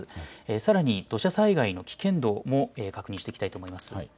さらに土砂災害の危険度も確認していきたいと思います。